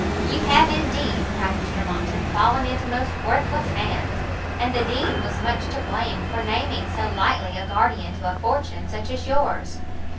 "You have indeed," cried Mr Monckton, "fallen into most worthless hands, and the Dean was much to blame for naming so lightly a guardian to a fortune such as yours."